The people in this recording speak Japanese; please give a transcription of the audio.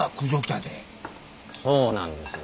そうなんです。